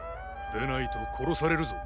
でないと殺されるぞ。